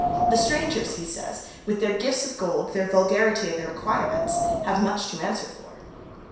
'The strangers,' he says, 'with their gifts of gold, their vulgarity, and their requirements, have much to answer for.'